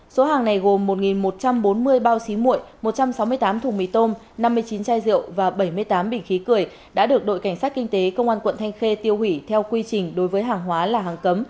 số hàng này gồm một một trăm bốn mươi bao xí mụi một trăm sáu mươi tám thùng mì tôm năm mươi chín chai rượu và bảy mươi tám bình khí cười đã được đội cảnh sát kinh tế công an quận thanh khê tiêu hủy theo quy trình đối với hàng hóa là hàng cấm